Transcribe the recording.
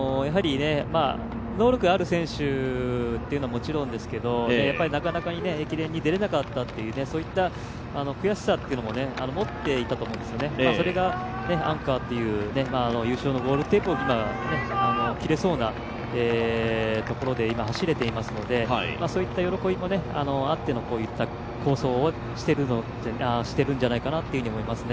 能力がある選手はもちろんですけど、なかなか駅伝に出れなかったという悔しさというのも持っていたと思うんですよね、それがアンカーという優勝のゴールテープを切れそうなところで今、走れていますので、そういった喜びもあってのこういった好走をしているんじゃないかなと思いますね。